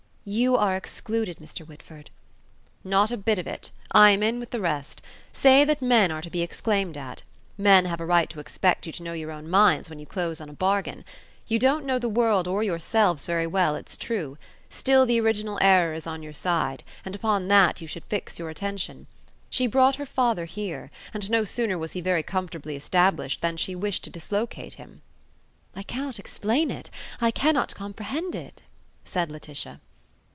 "You are excluded, Mr. Whitford." "Not a bit of it; I am in with the rest. Say that men are to be exclaimed at. Men have a right to expect you to know your own minds when you close on a bargain. You don't know the world or yourselves very well, it's true; still the original error is on your side, and upon that you should fix your attention. She brought her father here, and no sooner was he very comfortably established than she wished to dislocate him." "I cannot explain it; I cannot comprehend it," said Laetitia.